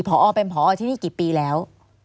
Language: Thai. พอเป็นพอที่นี่กี่ปีแล้ว